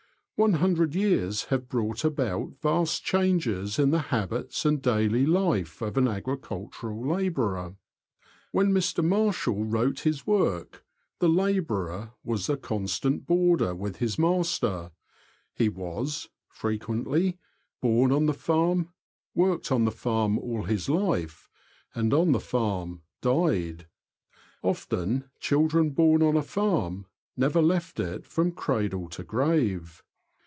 One hundred years have brought about vast changes in the habits and daily life of an agricultural labourer. When Mr. Marshall wrote his work the labourer was a constant boarder with his master ; he was, frequently, born on the farm, worked on the farm all his life, and on the farm died. Often children born on a farm never left it from cradle to grave.